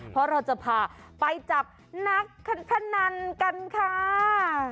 เพราะเราจะพาไปจับนักพนันกันค่ะ